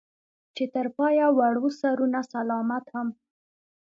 چې تر پايه وړو سرونه سلامت هم